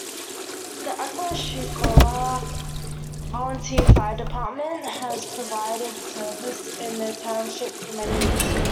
The Aquashicola Volunteer Fire Department has provided service in the township for many years.